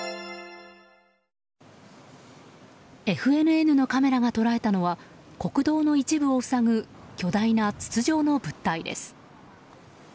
ＦＮＮのカメラが捉えたのは国道の一部を塞ぐ巨大な筒状の物体です。